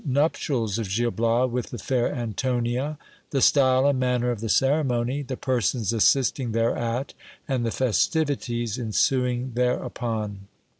— Nuptials of Gil Bias with the fair Antonia ; the style and manner of the ceremony ; the persons assisting thereat ; and the festivities ensuing there upon.